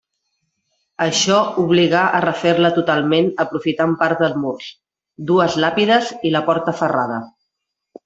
Això obligà a refer-la totalment aprofitant part dels murs, dues làpides i la porta ferrada.